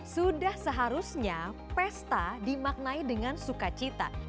sudah seharusnya pesta dimaknai dengan suka cita